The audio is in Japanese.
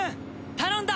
頼んだ！